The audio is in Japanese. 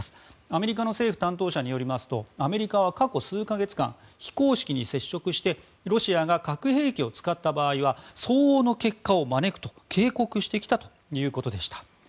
アメリカの政府担当者によりますとアメリカは過去数か月間非公式に接触してロシアが核兵器を使った場合は相応の結果を招くと警告してきたということでした。